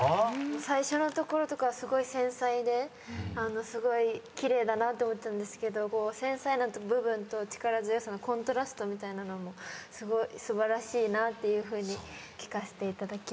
最初のところとかすごい繊細ですごい奇麗だなって思ったんですけど繊細な部分と力強さのコントラストみたいなのも素晴らしいなっていうふうに聴かせていただきました。